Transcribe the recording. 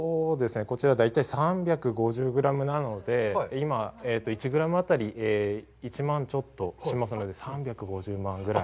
こちら大体３５０グラムなので、今１グラムあたり１万ちょっとしますので、３５０万ぐらい。